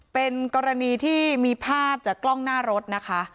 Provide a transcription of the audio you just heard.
เป็นกรณีที่มีภาพจากกล้องหน้ารถนะคะ